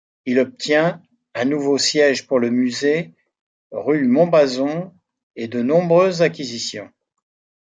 Il obtient un nouveau siège pour le musée, rue Montbazon et de nombreuses acquisitions.